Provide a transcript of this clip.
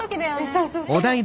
そうそうそう。